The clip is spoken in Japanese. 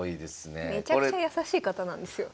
めちゃくちゃ優しい方なんですよ。